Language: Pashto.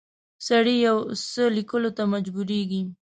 سړی یو څه لیکلو ته مجبوریږي.